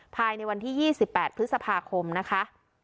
ภายในวันที่๒๘พฤษภาคมนะคะ